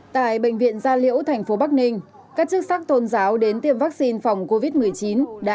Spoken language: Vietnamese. tại bệnh viện gia liễu thành phố bắc ninh các chức sắc tôn giáo đến tiêm vaccine phòng covid một mươi chín đã